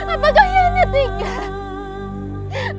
apakah ayah anda tinggal